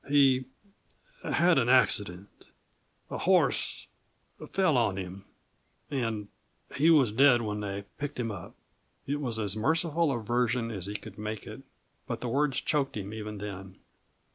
He had an accident. A horse fell with him and he was dead when they picked him up." It was as merciful a version as he could make it, but the words choked him, even then.